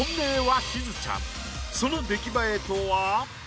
その出来栄えとは？